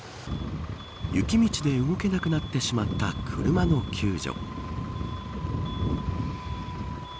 雪道で動けなくなってしまった車の救助。